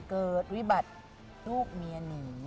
วิบัติลูกเมียหนี